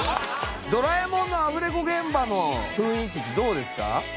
『ドラえもん』のアフレコ現場の雰囲気ってどうですか？